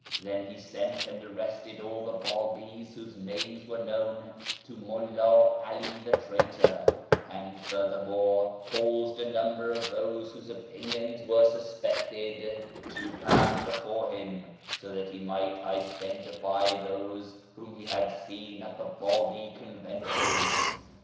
Then he sent and arrested all the Babis whose names were known to Mulla 'Ali the traitor, and furthermore caused a number of those whose opinions were suspected to pass before 5i6 A YEAR AMONGST THE PERSIANS him, so that he might identify those whom lie had seen at tlie Bahi conventicles.